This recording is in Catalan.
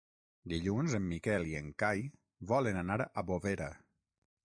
Dilluns en Miquel i en Cai volen anar a Bovera.